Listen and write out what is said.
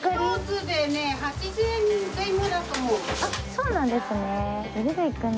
そうなんですね。